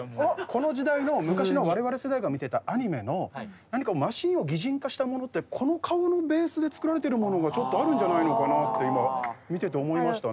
この時代の昔の我々世代が見てたアニメのマシンを擬人化したものってこの顔のベースで作られてるものがちょっとあるんじゃないのかなって今見てて思いましたね。